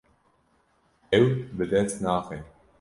Ew bi dest naxe.